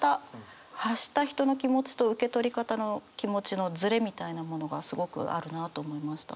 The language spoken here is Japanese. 発した人の気持ちと受け取り方の気持ちのズレみたいなものがすごくあるなと思いました。